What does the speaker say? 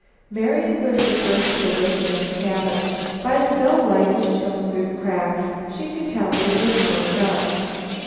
Marian was the first to awaken in the cabin. By the dull light that shone through the cracks, she could tell that it was growing dark.